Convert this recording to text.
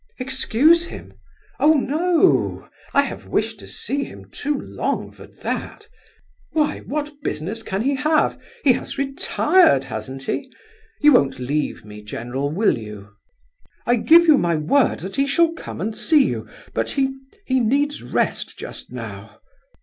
"Excuse him? Oh no, I have wished to see him too long for that. Why, what business can he have? He has retired, hasn't he? You won't leave me, general, will you?" "I give you my word that he shall come and see you—but he—he needs rest just now."